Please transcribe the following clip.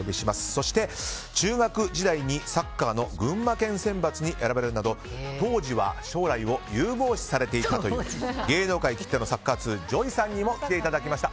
そして中学時代にサッカーの群馬県選抜に選ばれるなど当時は将来を有望視されていたという芸能界きってのサッカー通ＪＯＹさんにも来ていただきました。